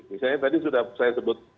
misalnya tadi sudah saya sebut